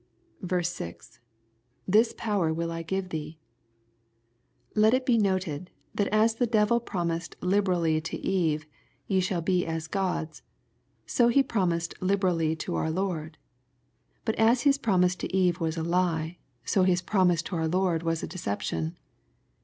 8. — [2%%s power w%U I give 7%ee,] Let it be noted, that as the devil promised liberally to Eve, ''Ye shall be as Gods/' so he promised liberally to our Lord. But as his promise to Eve was a lie, so his promise to our Lord was a deception.